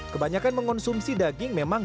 kebanyakan mengonsumsi daging memang